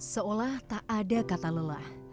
seolah tak ada kata lelah